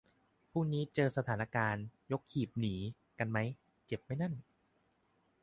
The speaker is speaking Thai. พรุ่งนี้จะเจอสถานการณ์ "ยกหีบหนี" กันมั้ย เจ็บมั้ยนั่น